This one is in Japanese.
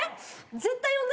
絶対呼んで。